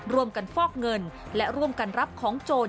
ร่วมกันฟอกเงินและร่วมกันรับของโจร